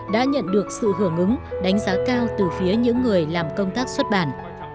đã nhận được sự hưởng ứng đánh giá cao từ phía những người làm công tác xuất bản